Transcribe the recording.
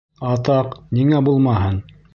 Атаҡ, ниңә булмаһын?